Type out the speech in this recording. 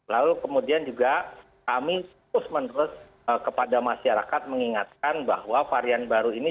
lalu kemudian juga kami terus menerus kepada masyarakat mengingatkan bahwa varian baru ini